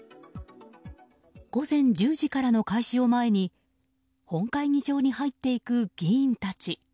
午前１０時からの開始を前に本会議場に入っていく議員たち。